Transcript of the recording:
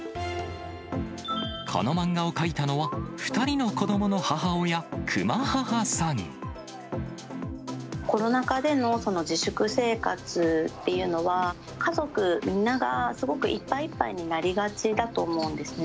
この漫画を描いたのは、２人の子どもの母親、コロナ禍での自粛生活っていうのは、家族みんながすごくいっぱいいっぱいになりがちだと思うんですね。